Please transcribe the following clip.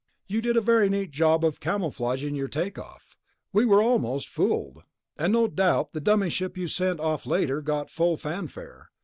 You did a very neat job of camouflaging your takeoff ... we were almost fooled ... and no doubt the dummy ship you sent off later got full fanfare.